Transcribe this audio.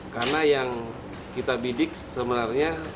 karena yang kita bidik sebenarnya